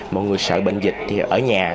mọi người sợ bệnh dịch thì ở nhà